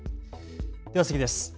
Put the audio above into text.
では次です。